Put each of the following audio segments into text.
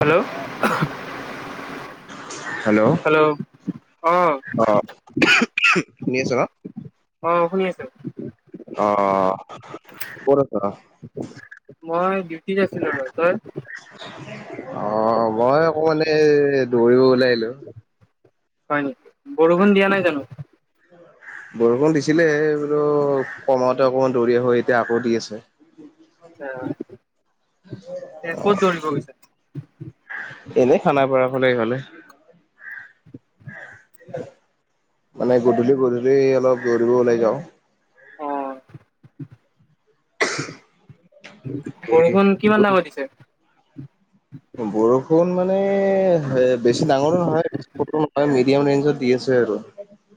Hello. Hello, অ আহ শুনিছ? অ শুনি আছো। অ। ক'ত আছা? মই ডিউটিত আছিলো ৰ, তই? অ মই অকমানে দৌৰিব ওলাই আহিলো। হয় নেকি, বৰষুণ দিয়া নাই জানো? বৰষুণ দিছিলে এই বলো কমাওঁতে অকণমান দৌৰি আহো এতিয়া আকৌ দি আছে। ক'ত দৌৰিব গৈছে? এনেই খানাপাৰাৰ ফালে এই ফালে। মানে গধূলি গধূলি অলপ দৌৰিব ওলাই যাওঁ। অ বৰষুণ কিমান ডাঙৰ দিছে? বৰষুণ মানে বেছি ডাঙৰো নহয় নহয়- দিয়া মান দি আছ আৰু।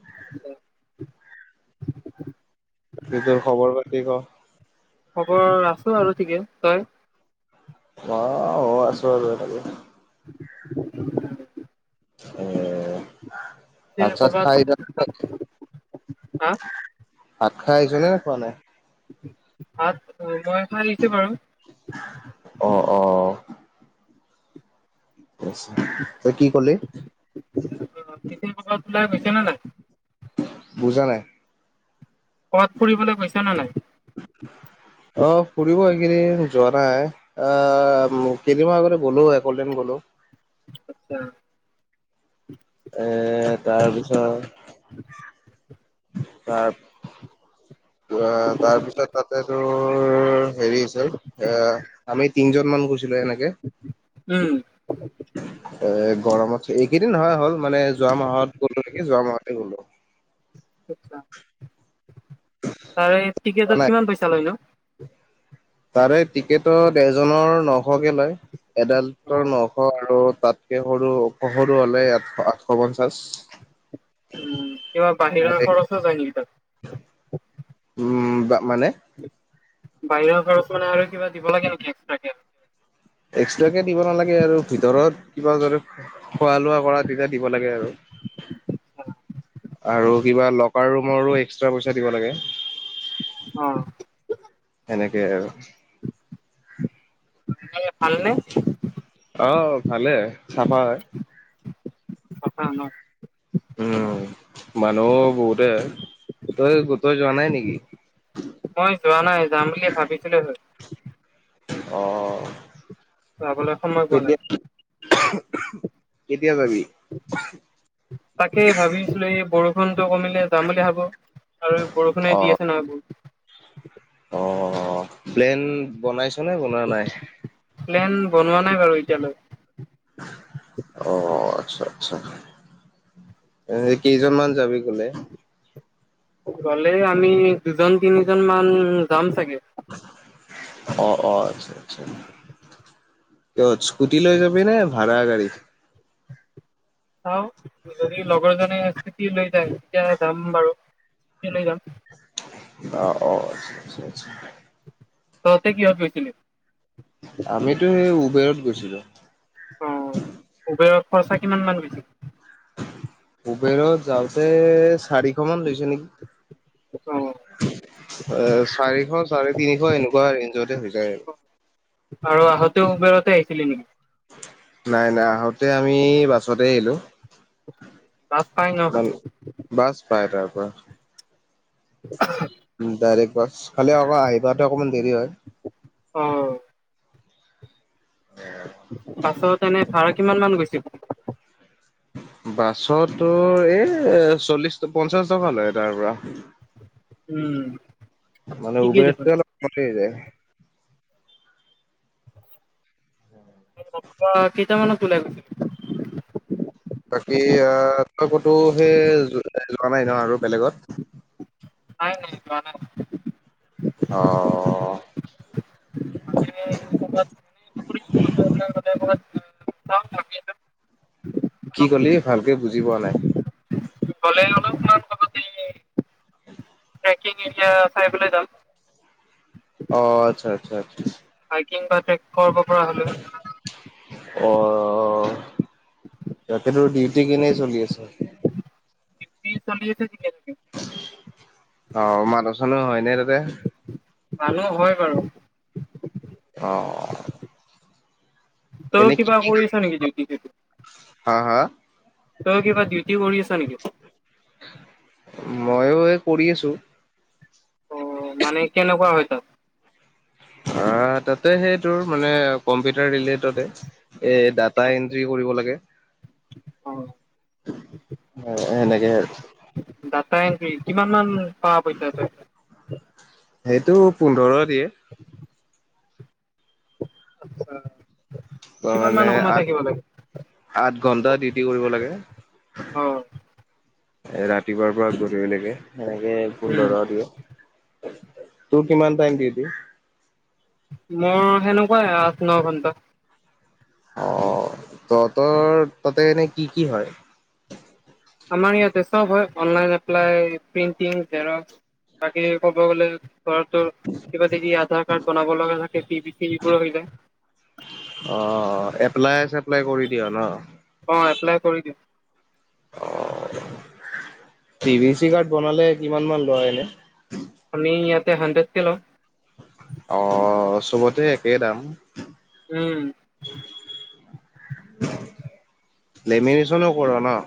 [unintelligible] তোৰ খবৰ বাতি ক? খবৰ আছো আৰু ঠিকে, তই? অ ময়ো আছো আৰু তাকে। [unintelligible] এ, পিছে ভাত চাত কৰ'বাত খাই এতিয়া হা - ভাত খাই আহিছনে খোৱা নাই? ভাত অ মই খাই আহিছোঁ বাৰু। অ অ। তই কি কলি? পিছে ক'ৰবাত ওলাই গৈছে নে নাই বুজা নাই। ক'ৰবাত ফুৰিবলৈ গৈছে নে নাই? অ ফুৰিব এইকেইদিন যোৱা নাই। অ কেইদিনমান আগতে গ'লো একদিন গ'লো। আচ্ছা। এ তাৰ পিছত- তাৰ, তাৰপিছত তাতে তোৰ হেৰি- এ আমি তিনিজন মান গৈছিলো এনেকে- উম। এ গৰমত এইকেইদিন নহয় হ'ল মানে যোৱা মাহত গলো নেকি যোৱা মাহতে গ'লো। তাৰে টিকেটত নাই কিমান পইচা লৈনো? তাৰে টিকেটত এজনৰ নশকে লয় অ এডালটৰ নশ আৰু তাত- এ সৰু, সৰু হ'লে, আঠশ-আঠশ পঞ্চাশ। উম, কিবা বাহিৰা আৰু খৰচ ওঁ জাই নেকি তাত?। উম, বা মানে? বাহিৰা খৰচ মানে আৰু কিবা দিব লাগে নেকি এক্সট্ৰাকে? এক্সট্ৰাকে দিব নালাগে আৰু ভিতৰত কিবা খোৱা লোৱা কৰা তেতিয়া দিব লাগে আৰু। আৰু কিবা লকাৰ ৰুমৰো এক্সট্ৰা পইচা দিব লাগে। অ। সেনেকে আৰু। ভালনে? অঁ', ভালে, চাফা হয়। [unintelligible] উম, মানুহ বহুতে হয়, তই বোধবাই যোৱা নাই নেকি? মই যোৱা নাই, যাম বুলি ভাবিছিলো হে। অঁ। যাবলৈ সময়ত- কেতিয়া, কেতিয়া যাবি? তাকে ভাবিছিলো, এই বৰষুণটো কমিলে যাম বুলি ভাবো- আৰু বৰষুণে দি অ' আছে নহয় বহুত। অ', প্লেন বনাইছনে, বনোৱা নাই? প্লেন, বনোৱা নাই বাৰু এতিয়ালৈ। অ', আতচ্ছা-আতচ্ছা। এই কেইজনমান যাবি গলে? গ'লেই আমি দুজন তিনিজন মান যাম চাগে। অঁ' অঁ'আৎচ্ছা-আৎচ্ছা। কিহত, স্কুটি লৈ যাবিনে ভাড়া গড়ী? চাওঁ, যদি লগৰ জনে স্কুতি লৈ যায়, তেতিয়া যাম বাৰু। কেলে যাম? অঁ', অ' আৎচ্ছা-আৎচ্ছা। তহতে কিহত গৈছিলি? আমিতো এই, উবেৰত গৈছিলোঁ। অঁ', উবেৰত খৰচা কিমান মান গৈছিল? উবেৰত যাওঁতে, চাৰিশ মান লৈছে নেকি। এ অ'। চাৰিশ, চাৰে তিনিশ, এনেকুৱা ৰেঞ্জতে হৈ যায় আৰু। আৰু আহোঁতেও উবেৰতে আহিছিলি নেকি? নাই নাই, আহোঁতে আমি বাছতে আহিলো। বাছ পাই ন? বাছ পাই-পাই-পাই। [inaudible] ডাইৰেক্ট বাছ, খালি আকৌ আহি পাওঁতে অকমান দেৰি হয়। অঁ' বাছত এনে ভাড়া কিমান মান গৈছিল? বাছত তোৰ, এই চল্লিশ, পঞ্চাশ টকা লয় তাৰ পৰা। উম' মানে ঠিকেই দেখোন উবেৰতকে অলপ বেছিয়ে যায়। ঘ পা কেইটা মানত ওলাই গৈছিলি? বাকী আহ, তই কতো সেই, যোৱা নাই ন' আৰু বেলেগত? নাই নাই যোৱা নাই। অ অ। [unintelligible] চ বাকী কেইটা। কি ক'লি ভালকে বুজি পোৱা নাই। গ'লে অলপ- এতিয়া চাই পেলাই যাম। অ আচ্ছা আচ্ছা আচ্ছা। কিমবা তাইক কৰব পৰা হলে অ', তাতে তোৰ ডিউটি কেনে চলি আছে? ডিউটি চলি আছে ঠিকে। থাকে। অ', মানুহ চানুহ হয় নে তাতে? মানুহ হয় বাৰু। অঁ। [inaudible] তই এনে কি কিবা কি কৰি আছ নেকি কাম ডিউটি চিউটি? [inaudible] হা হা? তই কিবা ডিউটি কৰি আছা নেকি? মইও এই কৰি আছো। অ মানে কেনেকুৱা হয় তাত? অ তাতে সেই তোৰ মানে কম্পিউটাৰ ৰিলেটডে। এ ডাটা আচ্ছা এন্ট্ৰি কৰিব লাগে। অ হয় সেনেকে ডাটা এন্ট্ৰী কিমান মান পা পইচা তই? সেইটো পোন্ধৰ দিয়ে। আচ্ছা [inaudible] তোমাৰ মানে আঠ আঠ ঘন্টা ডিউটি কৰিব লাগে। অ', ৰাতিপুৱাৰ পৰা গধূলিলেকে সেনেকে উম, পোন্ধৰ দিয়ে, তোৰ কিমান টাইম ডিউটি? মোৰ সেনেকুৱাই আঠ ন ঘন্টা। অ তহঁতৰ তাতে এনেই কি কি হয়? আমাৰ ইয়াতে চব হয় অনলাইন এপ্লাই, প্ৰিন্টিং, জেৰক্স, বাকী ক'ব গলে ধৰা তোৰ কিবা যদি আধাৰ কাৰ্ড বনাব লগা থাকে পি বি চি এইবোৰ হৈ যায়। অ এপ্লাই চেপ্লাই কৰি দিয় ন? অ এপ্লাই কৰি দিও। অ পি ভি চি কাৰ্ড বনালে কিমান মান লয় এনে? আমি ইয়াতে হণ্ড্ৰেডকে লয়। অ চবতে একেই দাম। উম। লেমিনেচনো কৰ ন?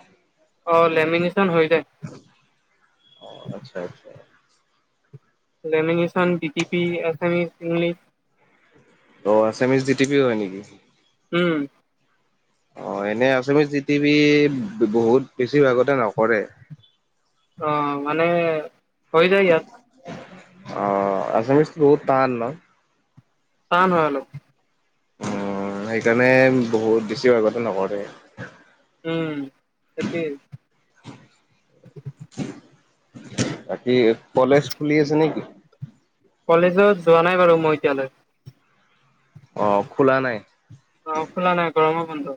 অ লেমিনেচন হৈ যায়। অ আচ্ছা আচ্ছা। Lamination D T P Assamese English. অ আছামিজ ডিটি পি হয় নেকি? উম। অ এনে আছামিছ দি টি পি বহুত বেছিভাগতে নকৰে। অ মানে হৈ যায় ইয়াত। অ আছামিজ বহুত তান ন? তান হয় অলপ। উম সেইকাৰণে বহুত বেছি ভাগতে নকৰে। উম সেইটোৱেই। বাকী কলেজ খুলি আছে নেকি? কলেজত যোৱা নাই বাৰু মই এতিয়ালৈ অ খোলা নাই অ খোলা নাই গৰমৰ বন্ধ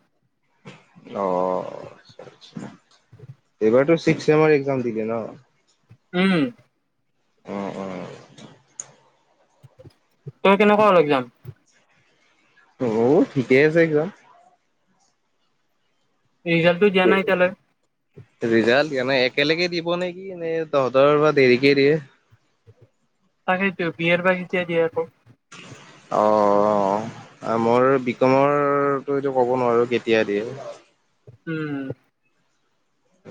অ এইবাৰতো ছিক্স ছেমৰ এক্সাম দিলে ন উম অ অ তোৰ কেনেকোৱা হল এক্মাম অ ঠিকেই আছে এক্মাম ৰিজাল্টটো দিয়া নাই এতিয়ালৈ ৰিজাল্ট তেনে একেলগে দিব নে নে কি নে তহঁতৰ পৰা দেৰিকে দিয়ে তাকেইতো বি এৰ বা কেতিয়া দিয়ে আকৌ অ আ মোৰ বিকমৰতো এইটো ক'ব নোৱাৰো কেতিয়া দিয়ে উম উ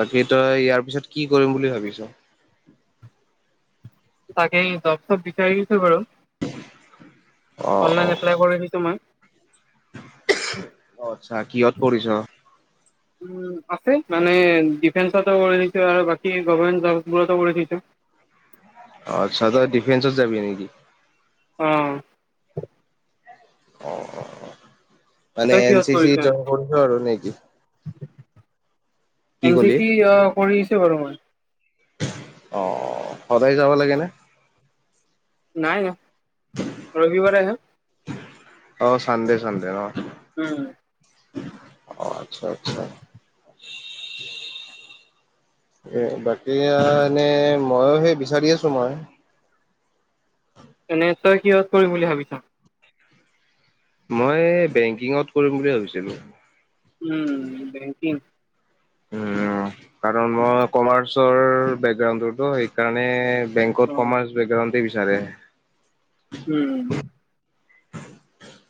বাকী তই ইয়াৰ পিছত কি কৰিম বুলি ভাবিছ তাকেই জব চব বিচাৰিছো বাৰু অ', অনলাইন অ', এপ্লাই কৰি দিছো মই অ আচ্ছা কিহত কৰিছ উম আছে মানে ডিফেন্সতো কৰি দিছো আৰু বাকি গভমেন্ট জববোৰতো কৰি থৈছো অ আচ্ছা তই ডিফেন্সত যাবি নেকি উম অ মানে তই এন কিহত চি চি কৰিছ জইন কৰিছ' আৰু নেকি কি এন ক'লি? চিচি অ কৰি আছো বাৰু মই অ সদায় যাব লাগে নে নাই নাই ৰবিবাৰেহে অ চানডে চানডে অ উম অ আচ্ছা আচ্ছা এ বাকী আও এনে মইও সেই বিচাৰি আছো মই এনে তই কিহত কৰিম বুলি ভাবিছ মই বেংকিঙত কৰিম বুলি ভাৱিছিলো উম বেংকিং উম কাৰণ মই কমাৰ্চৰ বেকগ্ৰাউণ্ডটোতো সেইকাৰণে অ বেংকত কমাৰ্চ বেকগ্ৰাউণ্ডেই বিচাৰে উম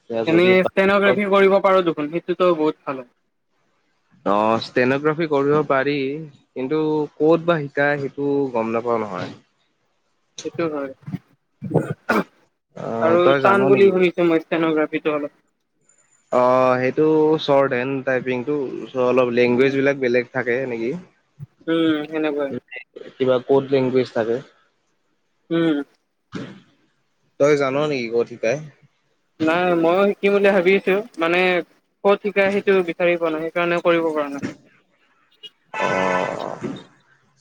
এতিয়া এনে যদি ষ্টেনগ্ৰাফি কৰিব পাৰ দেখোন সেইটোতো বহুত ভাল হয় অ ষ্টেনগ্ৰাফি কৰিব পাৰি কিন্তু ক'ত বা শিকায় সেইটো গম নাপাও নহয় সেইটো হয় অ আৰু তই জান টান নেকি? বুলি শুনিছো মই ষ্টেনোগ্ৰাফিটো অলপ অ সেইটো চৰ্ট হেণ্ড টাইপিংটো অলপ লেংগুৱেজ উম বিলাক বেলেগ থাকে নেকি উম সেনেকোৱাই কিবা ক'ড লেংগুৱেজ থাকে উম তই জান নেকি কত শিকাই নাই ময়ো শিকিম বুলি ভাৱিছো, মানে কত শিকাই সিটো বিচাৰি পোৱা নাই। সেইকাৰণে কৰিব পৰা নাই। অ'।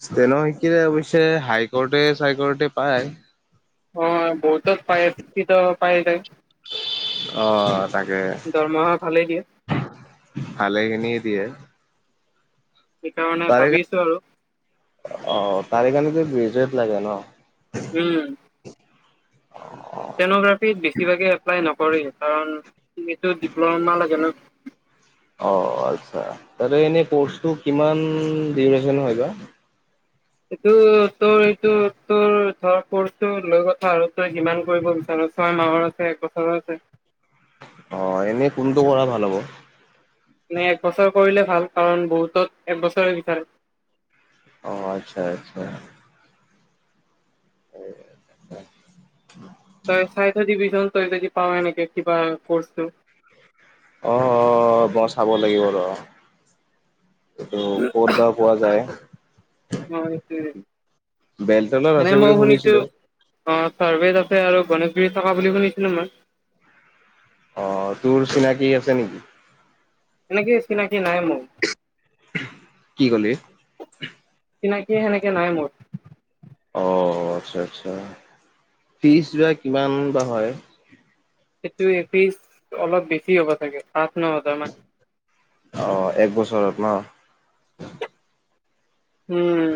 স্তেনৰ শিকিলে অৱশ্যে হাইকোৰ্টে-চাইকোৰ্টে পায়। অঁ বহুত পাই, কেতিয়াবা পাই যায়। অঁ তাকে। দৰমহা ভালেই দিয়ে। ভালেখিনি দিয়ে। সেইকাৰণে ভাবি আছোঁ আৰু। অঁ, তাৰেইকাৰণে গ্ৰেজুৱেট লাগে ন। উম। অ'। টেনোগ্ৰাফিত বেছিভাগে এপ্লাই নকৰে কাৰণ ডিপ্ল'মা লাগে ন। অঁ আচ্ছা তাতে এনে কৰ্চটো কিমান ডিউৰেচন হয় বা। এইটো তোৰ এইটো তোৰ ধৰ কৰ্চটো লৈ কথা আৰু তই কিমান কৰিব বিচাৰ। ছয় মাহৰ আছে এক বছৰো আছে। অ' এনেই কোনটো কৰা ভাল হ'ব? মানে এক বছৰ কৰিলে ভাল কাৰণ বহুতত একবছৰে বিচাৰে। অ', আচ্ছা আচ্ছা। হয়। তই চাই থই দিবিচোন, তই যদি পাৱ অনেকে কিবা কোৰ্চ। [inaudible] অ', অ', মই চাব লাগিব ৰ'হ। সেইটো, ক'ত বা পোৱা যায়? অ' সেইটোৱে। বেলতলত আছে বুলি মই শুনিছো শুনিছিলোঁ। অ' চাৰ্ভে আছে আৰু গণেশগুৰিত থাকা বুলি শুনিছিলো মই। অ', তোৰ চিনাকি আছে নেকি? এনেকে চিনাকি নাই মোৰ। কি কলি? চিনাকি সেনেকে নাই মোৰ। অ', আচ্ছা আচ্ছা ফিজ বা কিমান বা হয়। সেইটো এফিচ অলপ বেছি হ'ব চাগে আঠ-ন হাজাৰ মান। অ', এক বছৰত ন'? উম।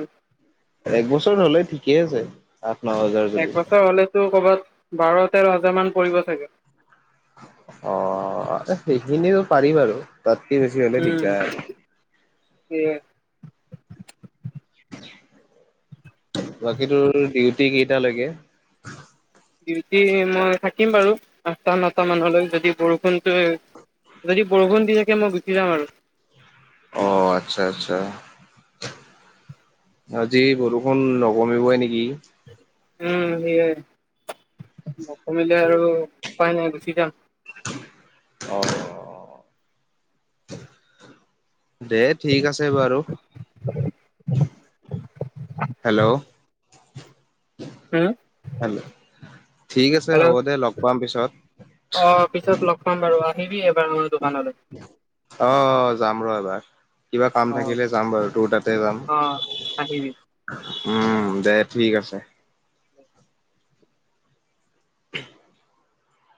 এক বছৰ হ'লে, ঠিকেই আছে। আঠ-ন হাজাৰ যদি এক বছৰ হলেটো কৰ'বাত বাৰ, তেৰ হাজাৰ মান পৰিব চাগে। অ সেইখিনিও পাৰিম আৰু তাতকে বেছি হ'লে উম দিগদাৰ। [unintelligible] বাকী তোৰ ডিউটি কেইটা লৈকে? ডিউটি, মই থাকিম বাৰু আঠটা-নটা মানলৈ যদি বৰষুণটো যদি বৰষুণ দি থাকে মই গুচি যাম আৰু। অ', আচ্ছা আচ্ছা। আজি বৰষুণ নকমিবই নেকি? উম, সেয়ে। নকমিলে আৰু পাই নাই, গুচি যাম। অ অ দে ঠিক আছে বাৰু হেল্ল হম হেল্ল ঠিক আছে হ'ব হেল্ল' দে লগ পাম পিছত অ পিছত লগ পাম বাৰু আহিবি এবাৰ মোৰ দোকানলৈ অ অ যাম ৰ এবাৰ কিবা কাম অ থাকিলে যাম বাৰু তু তাতে যাম অ আহিবি উম দে ঠিক আছে [unintelligible]